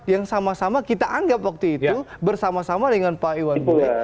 yang sama sama kita anggap waktu itu bersama sama dengan pak iwan bule